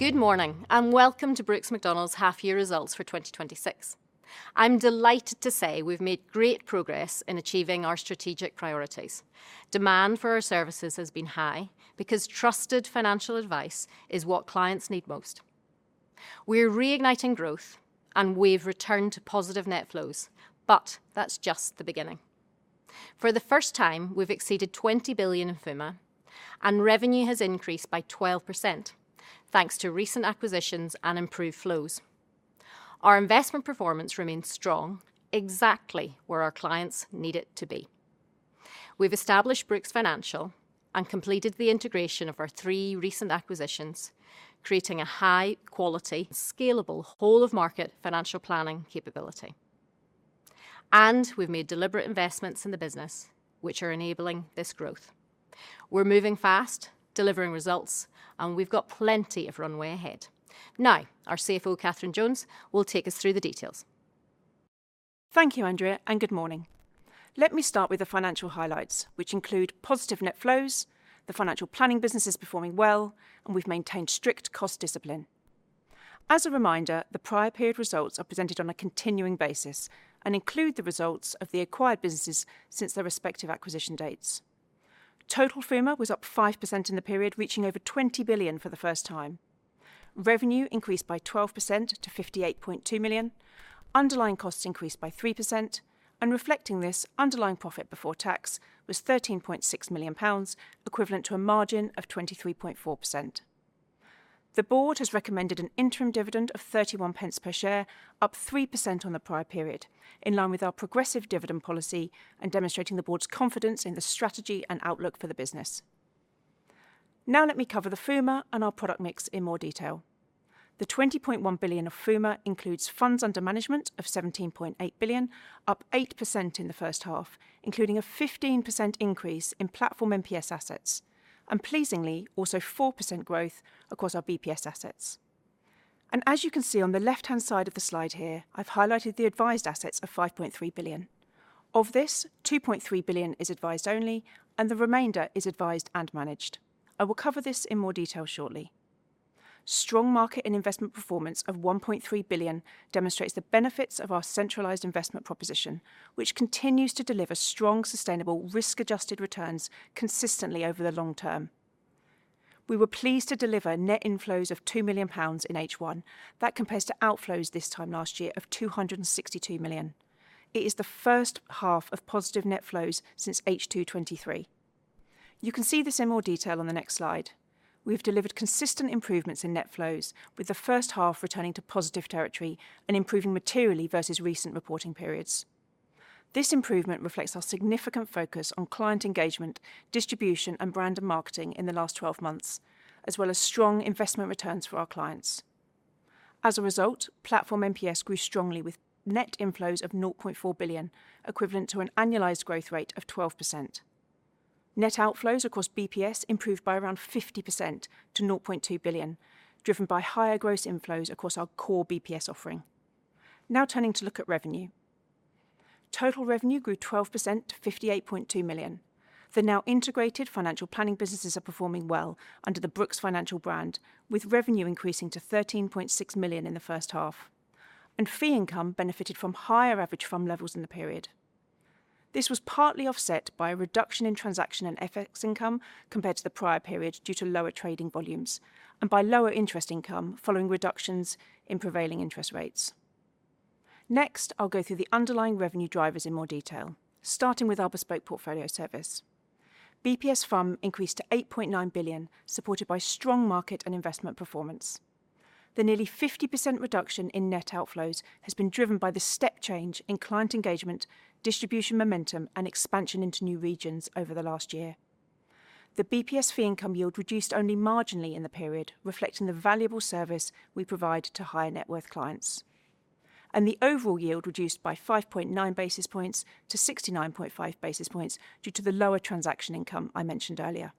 Good morning, welcome to Brooks Macdonald's Half-Year Results for 2026. I'm delighted to say we've made great progress in achieving our strategic priorities. Demand for our services has been high because trusted financial advice is what clients need most. We're reigniting growth, and we've returned to positive net flows, but that's just the beginning. For the first time, we've exceeded 20 billion in FUMA, and revenue has increased by 12%, thanks to recent acquisitions and improved flows. Our investment performance remains strong, exactly where our clients need it to be. We've established Brooks Financial and completed the integration of our three recent acquisitions, creating a high-quality, scalable, whole-of-market financial planning capability. We've made deliberate investments in the business, which are enabling this growth. We're moving fast, delivering results, and we've got plenty of runway ahead. Now, our CFO, Catherine Jones, will take us through the details. Thank you, Andrea, and good morning. Let me start with the financial highlights, which include positive net flows, the financial planning business is performing well, and we've maintained strict cost discipline. As a reminder, the prior period results are presented on a continuing basis and include the results of the acquired businesses since their respective acquisition dates. Total FUMA was up 5% in the period, reaching over 20 billion for the first time. Revenue increased by 12% to 58.2 million. Underlying costs increased by 3%, and reflecting this, underlying profit before tax was 13.6 million pounds, equivalent to a margin of 23.4%. The board has recommended an interim dividend of 0.31 per share, up 3% on the prior period, in line with our progressive dividend policy and demonstrating the board's confidence in the strategy and outlook for the business. Let me cover the FUMA and our product mix in more detail. The 20.1 billion of FUMA includes funds under management of 17.8 billion, up 8% in the first half, including a 15% increase in Platform MPS assets, and pleasingly, also 4% growth across our BPS assets. As you can see on the left-hand side of the slide here, I've highlighted the advised assets of 5.3 billion. Of this, 2.3 billion is advised only, and the remainder is advised and managed. I will cover this in more detail shortly. Strong market and investment performance of 1.3 billion demonstrates the benefits of our centralized investment proposition, which continues to deliver strong, sustainable, risk-adjusted returns consistently over the long term. We were pleased to deliver net inflows of 2 million pounds in H1. That compares to outflows this time last year of 262 million. It is the first half of positive net flows since H2 2023. You can see this in more detail on the next slide. We have delivered consistent improvements in net flows, with the first half returning to positive territory and improving materially versus recent reporting periods. This improvement reflects our significant focus on client engagement, distribution, and brand and marketing in the last 12 months, as well as strong investment returns for our clients. As a result, Platform MPS grew strongly with net inflows of 0.4 billion, equivalent to an annualized growth rate of 12%. Net outflows across BPS improved by around 50% to 0.2 billion, driven by higher gross inflows across our core BPS offering. Turning to look at revenue. Total revenue grew 12% to 58.2 million. The now integrated financial planning businesses are performing well under the Brooks Financial brand, with revenue increasing to 13.6 million in the first half, and fee income benefited from higher average FUM levels in the period. This was partly offset by a reduction in transaction and FX income compared to the prior period due to lower trading volumes and by lower interest income following reductions in prevailing interest rates. I'll go through the underlying revenue drivers in more detail, starting with our Bespoke Portfolio Service. BPS FUM increased to 8.9 billion, supported by strong market and investment performance. The nearly 50% reduction in net outflows has been driven by the step change in client engagement, distribution momentum, and expansion into new regions over the last year. The BPS fee income yield reduced only marginally in the period, reflecting the valuable service we provide to higher net worth clients. The overall yield reduced by 5.9 basis points to 69.5 basis points due to the lower transaction income I mentioned earlier.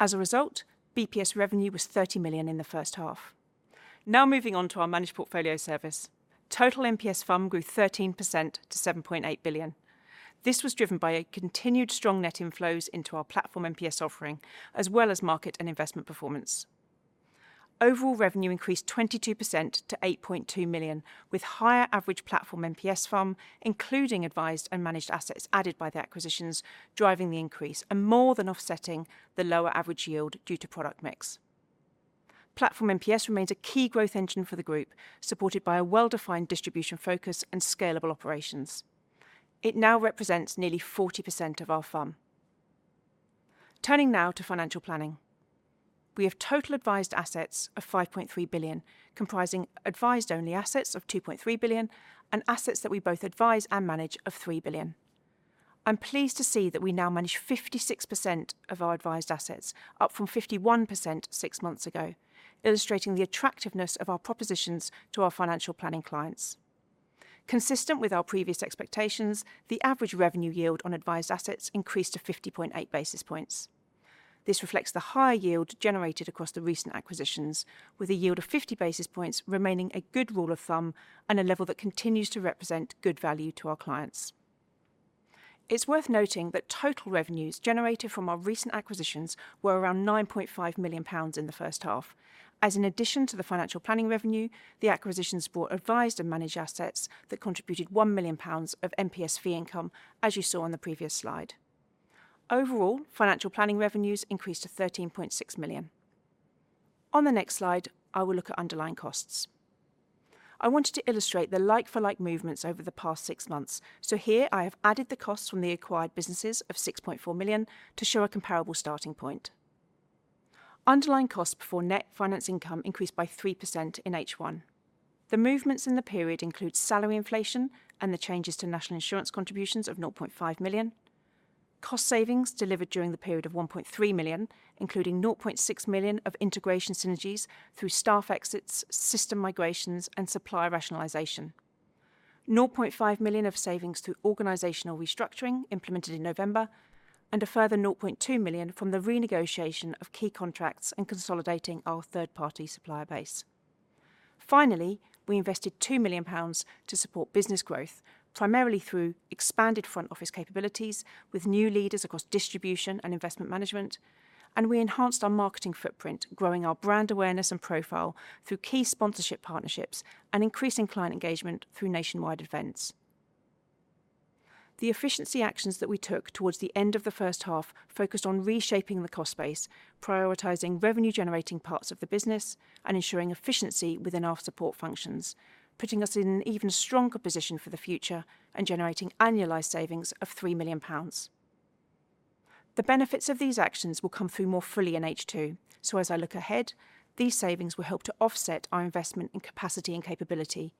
As a result, BPS revenue was 30 million in the first half. Moving on to our Managed Portfolio Service. Total MPS FUM grew 13% to 7.8 billion. This was driven by continued strong net inflows into our Platform MPS offering, as well as market and investment performance. Overall revenue increased 22% to 8.2 million, with higher average Platform MPS FUM, including advised and managed assets added by the acquisitions, driving the increase and more than offsetting the lower average yield due to product mix. Platform MPS remains a key growth engine for the group, supported by a well-defined distribution focus and scalable operations. It now represents nearly 40% of our FUM. Turning now to financial planning. We have total advised assets of 5.3 billion, comprising advised only assets of 2.3 billion and assets that we both advise and manage of 3 billion. I'm pleased to see that we now manage 56% of our advised assets, up from 51% six months ago, illustrating the attractiveness of our propositions to our financial planning clients. Consistent with our previous expectations, the average revenue yield on advised assets increased to 50.8 basis points. This reflects the higher yield generated across the recent acquisitions, with a yield of 50 basis points remaining a good rule of thumb and a level that continues to represent good value to our clients. It's worth noting that total revenues generated from our recent acquisitions were around 9.5 million pounds in the first half. As an addition to the financial planning revenue, the acquisitions brought advised and managed assets that contributed 1 million pounds of MPS fee income, as you saw on the previous slide. Overall, financial planning revenues increased to 13.6 million. On the next slide, I will look at underlying costs. I wanted to illustrate the like-for-like movements over the past six months, I have added the costs from the acquired businesses of 6.4 million to show a comparable starting point. Underlying costs before net finance income increased by 3% in H1. The movements in the period include salary inflation and the changes to national insurance contributions of 0.5 million. Cost savings delivered during the period of 1.3 million, including 0.6 million of integration synergies through staff exits, system migrations, and supplier rationalization. 0.5 million of savings through organizational restructuring implemented in November, a further 0.2 million from the renegotiation of key contracts, and consolidating our third-party supplier base. Finally, we invested 2 million pounds to support business growth, primarily through expanded front office capabilities with new leaders across distribution and investment management, and we enhanced our marketing footprint, growing our brand awareness and profile through key sponsorship partnerships and increasing client engagement through nationwide events. The efficiency actions that we took towards the end of the first half focused on reshaping the cost base, prioritizing revenue-generating parts of the business, and ensuring efficiency within our support functions, putting us in an even stronger position for the future and generating annualized savings of 3 million pounds. The benefits of these actions will come through more fully in H2. As I look ahead, these savings will help to offset our investment in capacity and capability.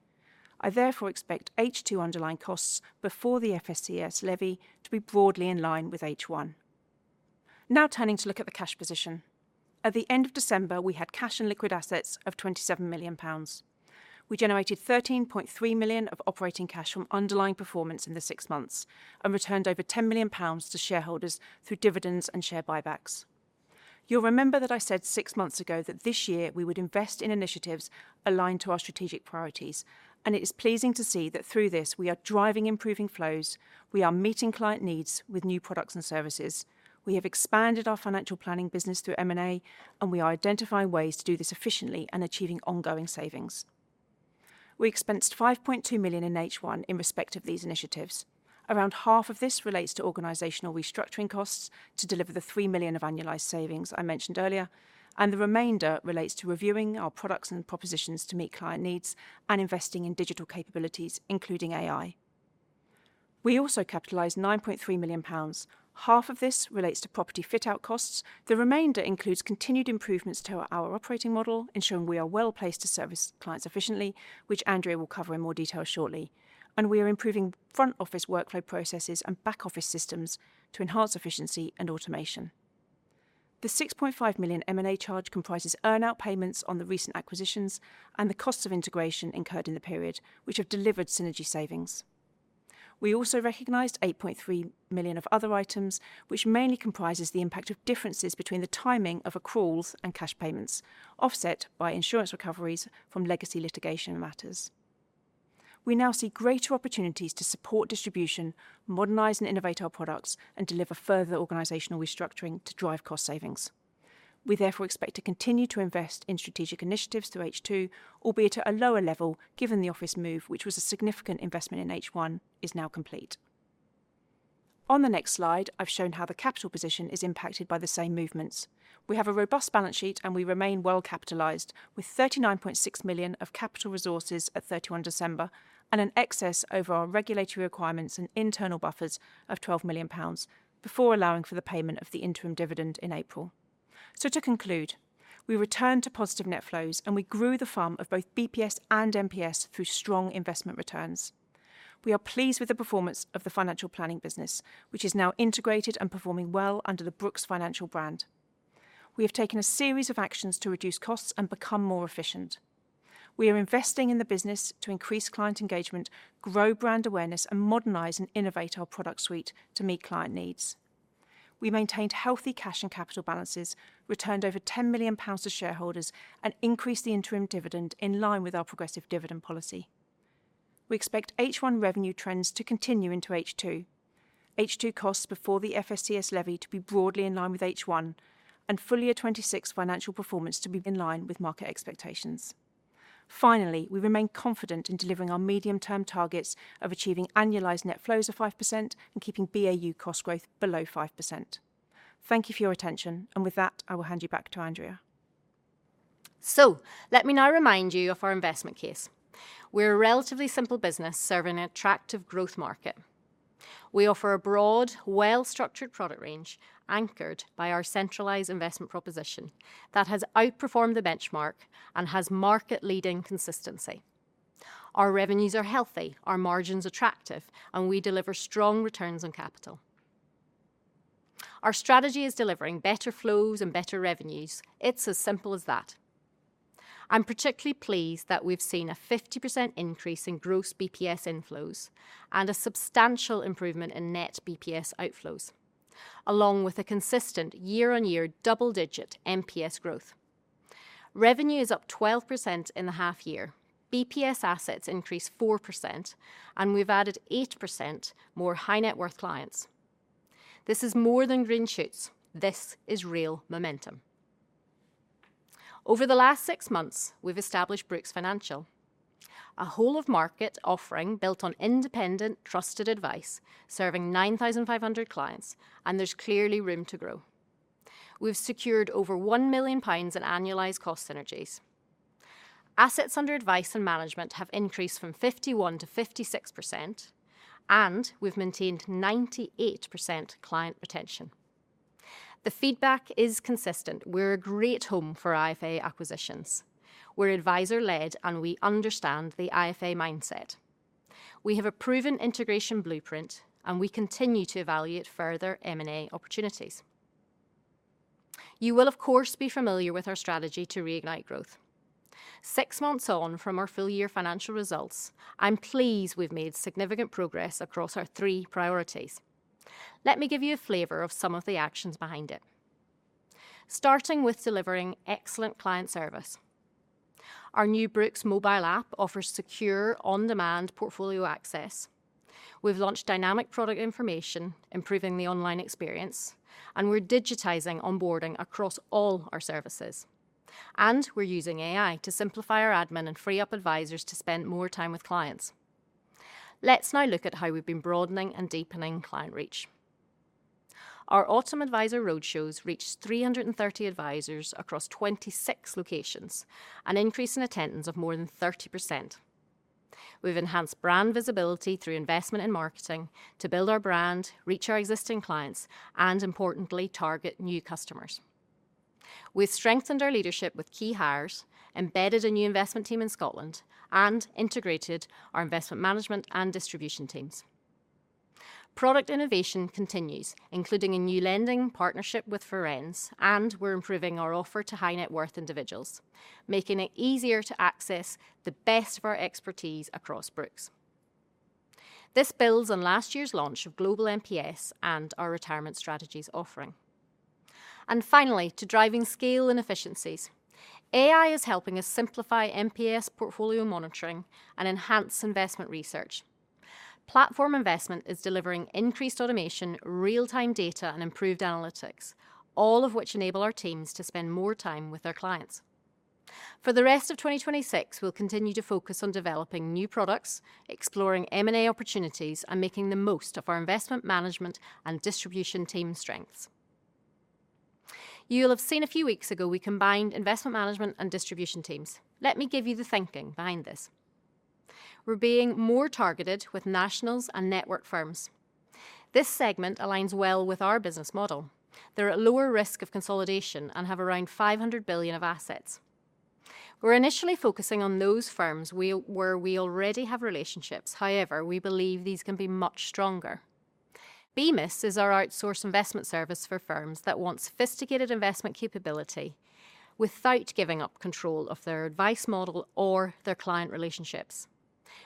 I therefore expect H2 underlying costs before the FSCS levy to be broadly in line with H1. Turning to look at the cash position. At the end of December, we had cash and liquid assets of 27 million pounds. We generated 13.3 million of operating cash from underlying performance in the 6 months and returned over 10 million pounds to shareholders through dividends and share buybacks. You'll remember that I said 6 months ago that this year we would invest in initiatives aligned to our strategic priorities, and it is pleasing to see that through this, we are driving improvements in flows, we are meeting client needs with new products and services. We have expanded our financial planning business through M&A, and we are identifying ways to do this efficiently and achieve ongoing savings. We expensed 5.2 million in H1 in respect of these initiatives. Around half of this relates to organizational restructuring costs to deliver the 3 million of annualized savings I mentioned earlier, the remainder relates to reviewing our products and propositions to meet client needs and investing in digital capabilities, including AI. We also capitalized 9.3 million pounds. Half of this relates to property fit-out costs. The remainder includes continued improvements to our operating model, ensuring we are well-placed to service clients efficiently, which Andrea will cover in more detail shortly. We are improving front office workflow processes and back-office systems to enhance efficiency and automation. The 6.5 million M&A charge comprises earn-out payments on the recent acquisitions and the costs of integration incurred in the period, which have delivered synergy savings. We also recognized 8.3 million of other items, which mainly comprises the impact of differences between the timing of accruals and cash payments, offset by insurance recoveries from legacy litigation matters. We now see greater opportunities to support distribution, modernize and innovate our products, and deliver further organizational restructuring to drive cost savings. We therefore expect to continue to invest in strategic initiatives through H2, albeit at a lower level, given that the office move, which was a significant investment in H1, is now complete. On the next slide, I've shown how the capital position is impacted by the same movements. We have a robust balance sheet, and we remain well capitalized, with 39.6 million of capital resources at 31 December and an excess over our regulatory requirements and internal buffers of 12 million pounds before allowing for the payment of the interim dividend in April. To conclude, we returned to positive net flows, and we grew the firm of both BPS and MPS through strong investment returns. We are pleased with the performance of the financial planning business, which is now integrated and performing well under the Brooks Financial brand. We have taken a series of actions to reduce costs and become more efficient. We are investing in the business to increase client engagement, grow brand awareness, and modernize and innovate our product suite to meet client needs. We maintained healthy cash and capital balances, returned over 10 million pounds to shareholders, and increased the interim dividend in line with our progressive dividend policy. We expect H1 revenue trends to continue into H2, H2 costs before the FSCS levy to be broadly in line with H1, and full year '26 financial performance to be in line with market expectations. Finally, we remain confident in delivering our medium-term targets of achieving annualized net flows of 5% and keeping BAU cost growth below 5%. Thank you for your attention, and with that, I will hand you back to Andrea. Let me now remind you of our investment case. We're a relatively simple business serving an attractive growth market. We offer a broad, well-structured product range, anchored by our centralized investment proposition that has outperformed the benchmark and has market-leading consistency. Our revenues are healthy, our margins attractive, and we deliver strong returns on capital. Our strategy is delivering better flows and better revenues. It's as simple as that. I'm particularly pleased that we've seen a 50% increase in gross BPS inflows and a substantial improvement in net BPS outflows, along with a consistent year-on-year double-digit MPS growth. Revenue is up 12% in the first half year. BPS assets increased 4%, and we've added 8% more high-net-worth clients. This is more than green shoots. This is real momentum. Over the last six months, we've established Brooks Financial, a whole of market offering built on independent, trusted advice, serving 9,500 clients. There's clearly room to grow. We've secured over 1 million pounds in annualized cost synergies. Assets under advice and management have increased from 51%-56%. We've maintained 98% client retention. The feedback is consistent. We're a great home for IFA acquisitions. We're advisor-led. We understand the IFA mindset. We have a proven integration blueprint. We continue to evaluate further M&A opportunities. You will be familiar with our strategy to reignite growth. Six months on from our full-year financial results, I'm pleased we've made significant progress across our three priorities. Let me give you a flavor of some of the actions behind it. Starting with delivering excellent client service. Our new Brooks Macdonald app offers secure, on-demand portfolio access. We've launched dynamic product information, improving the online experience, and we're digitizing onboarding across all our services, and we're using AI to simplify our admin and free up advisors to spend more time with clients. Let's now look at how we've been broadening and deepening client reach. Our autumn advisor roadshows reached 330 advisors across 26 locations, an increase in attendance of more than 30%. We've enhanced brand visibility through investment in marketing to build our brand, reach our existing clients, and importantly, target new customers. We've strengthened our leadership with key hires, embedded a new investment team in Scotland, and integrated our investment management and distribution teams. Product innovation continues, including a new lending partnership with Firenze, and we're improving our offer to high-net-worth individuals, making it easier to access the best of our expertise across Brooks. This builds on last year's launch of Global MPS and our Retirement Strategies offering. Finally, to drive scale and efficiencies. AI is helping us simplify MPS portfolio monitoring and enhance investment research. Platform investment is delivering increased automation, real-time data, and improved analytics, all of which enable our teams to spend more time with our clients. For the rest of 2026, we'll continue to focus on developing new products, exploring M&A opportunities, and making the most of our investment management and distribution team strengths. You'll have seen a few weeks ago that we combined investment management and distribution teams. Let me give you the thinking behind this. We're being more targeted with nationals and network firms. This segment aligns well with our business model. They're at lower risk of consolidation and have around 500 billion of assets. We're initially focusing on those firms where we already have relationships. However, we believe these can be much stronger. BMIS is our outsourced investment service for firms that want sophisticated investment capability without giving up control of their advice model or their client relationships.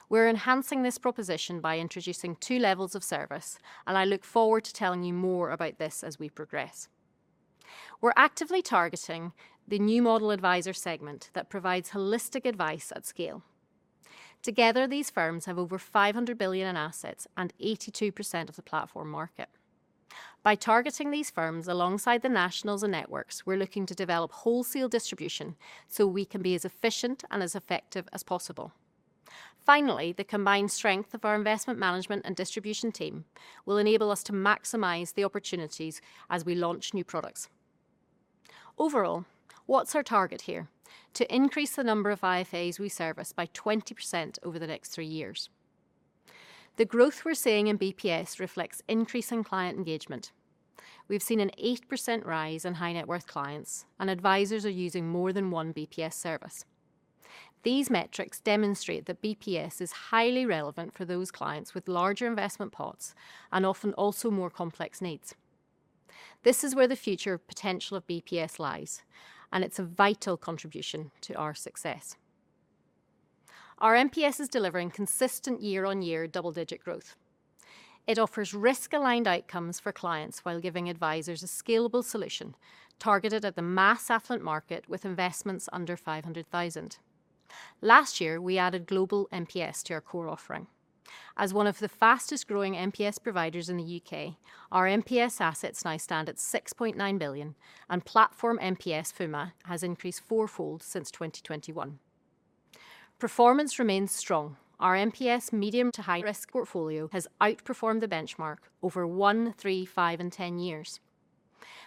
We're enhancing this proposition by introducing two levels of service. I look forward to telling you more about this as we progress. We're actively targeting the new model adviser segment that provides holistic advice at scale. Together, these firms have over 500 billion in assets and 82% of the platform market. By targeting these firms alongside the nationals and networks, we're looking to develop wholesale distribution so we can be as efficient and as effective as possible. Finally, the combined strength of our investment management and distribution team will enable us to maximize the opportunities as we launch new products. Overall, what's our target here? To increase the number of IFAs we service by 20% over the next three years. The growth we're seeing in BPS reflects an increase in client engagement. We've seen an 8% rise in high-net-worth clients, and advisors are using more than one BPS service. These metrics demonstrate that BPS is highly relevant for those clients with larger investment pots and often also more complex needs. This is where the future potential of BPS lies, and it's a vital contribution to our success. Our MPS is delivering consistent year-on-year double-digit growth. It offers risk-aligned outcomes for clients while giving advisors a scalable solution targeted at the mass affluent market with investments under 500,000. Last year, we added Global MPS to our core offering. As one of the fastest-growing MPS providers in the UK, our MPS assets now stand at 6.9 billion, and Platform MPS FUMA has increased fourfold since 2021. Performance remains strong. Our MPS medium to high-risk portfolio has outperformed the benchmark over one, three, five, and 10 years.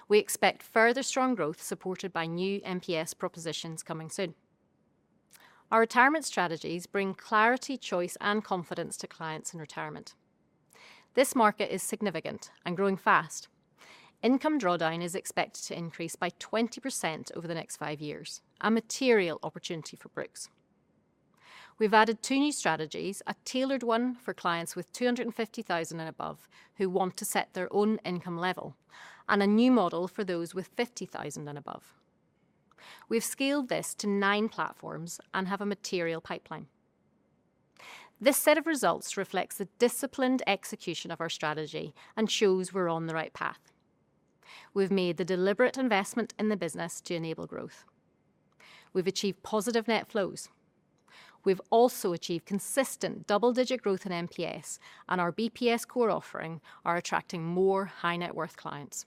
We expect further strong growth supported by new MPS propositions coming soon. Our Retirement Strategies bring clarity, choice, and confidence to clients in retirement. This market is significant and growing fast. Income drawdown is expected to increase by 20% over the next five years, a material opportunity for Brooks. We've added two new strategies, a tailored one for clients with 250,000 and above who want to set their own income level and a new model for those with 50,000 and above. We've scaled this to nine platforms and have a material pipeline. This set of results reflects the disciplined execution of our strategy and shows we're on the right path. We've made the deliberate investment in the business to enable growth. We've achieved positive net flows. We've also achieved consistent double-digit growth in MPS, and our BPS core offering is attracting more high-net-worth clients.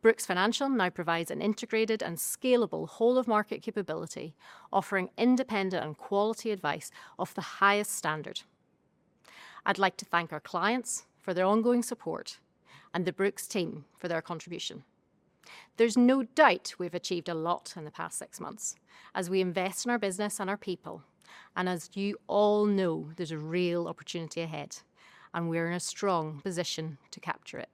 Brooks Financial now provides an integrated and scalable whole of market capability, offering independent and quality advice of the highest standard. I'd like to thank our clients for their ongoing support and the Brooks team for their contribution. There's no doubt we've achieved a lot in the past six months as we invest in our business and our people, and as you all know, there's a real opportunity ahead, and we're in a strong position to capture it.